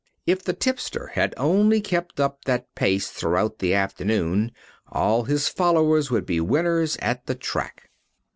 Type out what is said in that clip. If the tipster had only kept up that pace throughout the afternoon all his followers would be winners at the track.